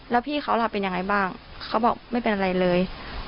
แล้วพี่เขาล่ะเป็นยังไงบ้างเขาบอกไม่เป็นอะไรเลย